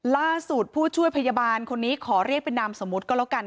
ผู้ช่วยพยาบาลคนนี้ขอเรียกเป็นนามสมมุติก็แล้วกัน